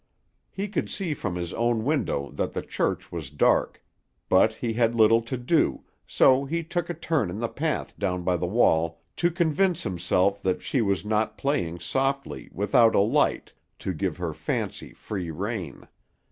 He could see from his own window that the church was dark; but he had little to do, so he took a turn in the path down by the wall to convince himself that she was not playing softly, without a light, to give her fancy free rein.